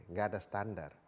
tidak ada standar